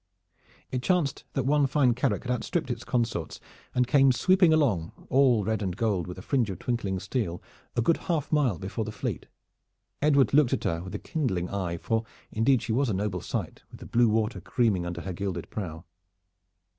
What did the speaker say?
It chanced that one fine carack had outstripped its consorts and came sweeping along, all red and gold, with a fringe of twinkling steel, a good half mile before the fleet. Edward looked at her with a kindling eye, for indeed she was a noble sight with the blue water creaming under her gilded prow.